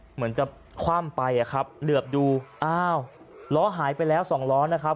เหมือนจะคว่ำไปอะครับเหลือบดูอ้าวล้อหายไปแล้วสองล้อนะครับ